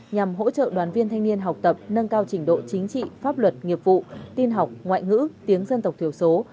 nhằm hỗ trợ đoàn viên thanh niên học tập nâng cao trình độ chính trị pháp luật nghiệp vụ tin học ngoại ngữ tiếng dân tộc thiểu số